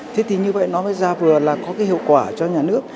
thế thì như vậy nó mới ra vừa là có cái hiệu quả cho nhà nước